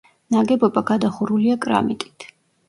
ნაგებობა გადახურულია კრამიტით.